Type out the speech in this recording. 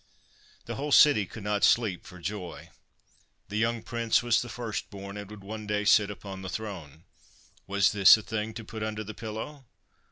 The whole city could not sleep for joy. The young Prince was the first born, and would one day sit upon the throne : was this a thing to put under the pillow?